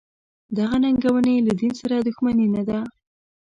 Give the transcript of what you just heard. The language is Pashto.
دغه ننګونې له دین سره دښمني نه ده.